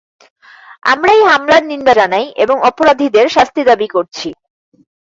আমরা এই হামলার নিন্দা জানাই এবং অপরাধীদের শাস্তি দাবি করছি।